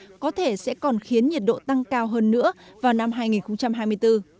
đến năm hai nghìn hai mươi ba có thể sẽ còn khiến nhiệt độ tăng cao hơn nữa vào năm hai nghìn hai mươi bốn